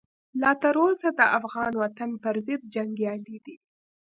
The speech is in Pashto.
لا تر اوسه د افغان وطن پرضد جنګیالي دي.